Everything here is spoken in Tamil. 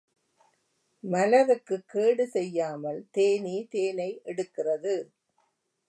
மலருக்குக் கேடு செய்யாமல், தேனி தேனை எடுக்கிறது.